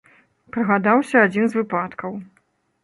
Прыгадаўся адзін з выпадкаў.